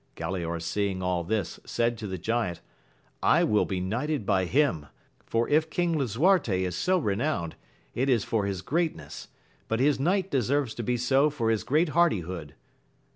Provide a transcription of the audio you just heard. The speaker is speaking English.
Galaor seeing all this said to the giant, I will be knighted by him, for if King Lisuarte is so renowned, it is for his greatness Jjut his knight deserves to be so for his great hardihood.